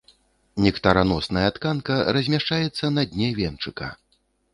Нектараносная тканка размяшчаецца на дне венчыка.